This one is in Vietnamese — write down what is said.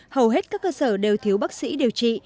hầu hết các cơ sở đều thiếu bác sĩ điều trị